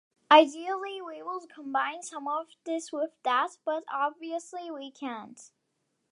Ideally, we would combine some of this with that, but obviously we can't.